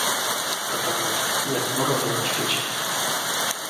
"Tatarów, jak mrowia na świecie."